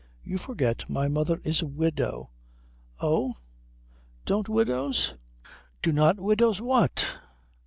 You forget my mother is a widow." "Oh? Don't widows?" "Do not widows what?"